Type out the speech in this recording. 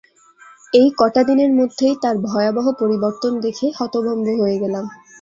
এই কটা দিনের মধ্যেই তার ভয়াবহ পরিবর্তন দেখে হতভম্ব হয়ে গেলাম।